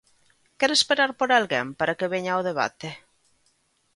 ¿Quere esperar por alguén para que veña ao debate?